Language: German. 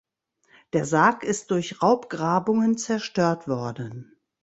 Der Sarg ist durch Raubgrabungen zerstört worden.